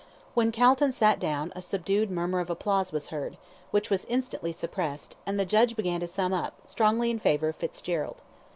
When Calton sat down a subdued murmur of applause was heard, which was instantly suppressed, and the judge began to sum up, strongly in favour of Fitzgerald.